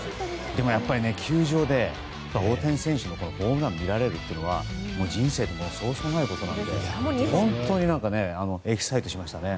でも、球場で大谷選手のホームランを見られるのは人生でそうそうないことなので本当にエキサイトしましたね。